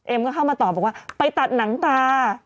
เอ็มก็เข้ามาตอบว่าก็ไปตัดหนังตา